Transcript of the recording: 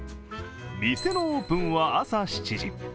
店のオープンは朝７時。